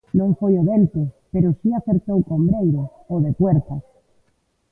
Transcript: Non foi o dente, pero si acertou co ombreiro, o de Puertas.